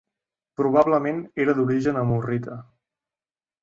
Probablement era d'origen amorrita.